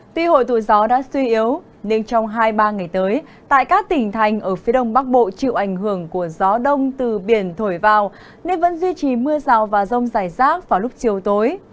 tuy hội tụ gió đã suy yếu nên trong hai ba ngày tới tại các tỉnh thành ở phía đông bắc bộ chịu ảnh hưởng của gió đông từ biển thổi vào nên vẫn duy trì mưa rào và rông dài rác vào lúc chiều tối